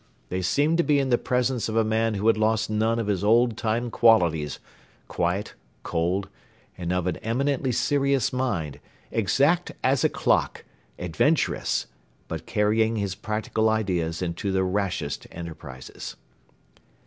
They seemed to be in the presence of a man who had lost none of his old time qualities, quiet, cold, and of an eminently serious mind, exact as a clock, adventurous, but carrying his practical ideas into the rashest enterprises.